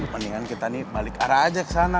mendingan kita balik arah aja kesana